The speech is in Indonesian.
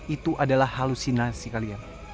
itu adalah halusinasi kalian